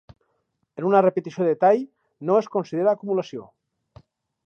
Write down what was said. En una repetició del tall no es considera acumulació.